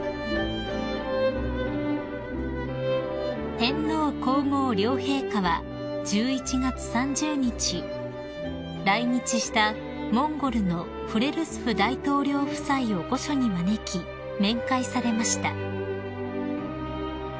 ［天皇皇后両陛下は１１月３０日来日したモンゴルのフレルスフ大統領夫妻を御所に招き面会されました］